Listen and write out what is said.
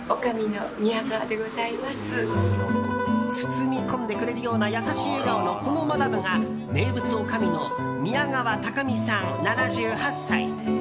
包み込んでくれるような優しい笑顔のこのマダムが名物おかみの宮川高美さん、７８歳。